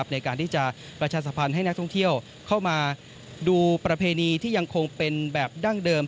ในการที่จะประชาสัมพันธ์ให้นักท่องเที่ยวเข้ามาดูประเพณีที่ยังคงเป็นแบบดั้งเดิม